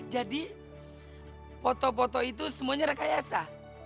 jadi foto foto itu semuanya rekayasa